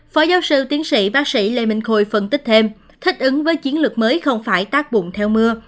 phó giáo sư tiến sĩ bác sĩ lê minh khôi phân tích thêm thích ứng với chiến lược mới không phải tác bụng theo mưa